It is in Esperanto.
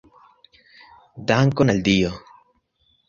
Dankon al Dio!